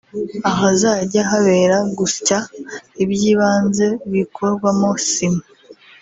ahazajya habera gusya ibyibanze bikorwamo sima